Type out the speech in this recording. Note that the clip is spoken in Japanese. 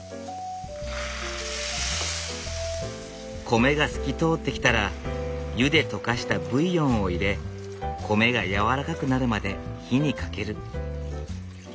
米が透き通ってきたら湯で溶かしたブイヨンを入れ米がやわらかくなるまで火にかける。